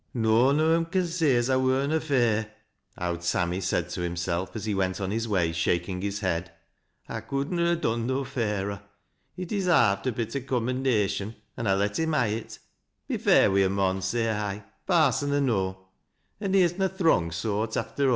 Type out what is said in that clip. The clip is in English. Noan on 'em con say as I wur na fair," " Owd Sam my " said to himself, as he went on his way shaking his head, " I could na ha' done no fairer. He desarved a bit o' commendation, an I let him ha' it. Be fair wi' a mon, Bay I, parson or no. An' he is na th' wrong sort, after aw."